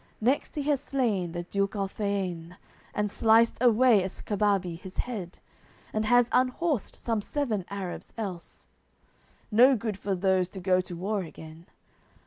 Next he has slain the duke Alphaien, And sliced away Escababi his head, And has unhorsed some seven Arabs else; No good for those to go to war again.